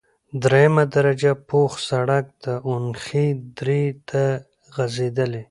دریمه درجه پوخ سرک د اونخې درې ته غزیدلی،